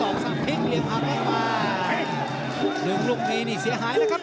นึงลุกนี้นี่เสียหายนะครับ